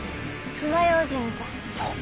つまようじみたい。